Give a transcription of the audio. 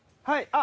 はい。